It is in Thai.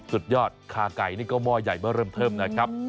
สุดยอดคาไก่นี่ก็หม้อใหญ่เมื่อเริ่มเทิมนะครับ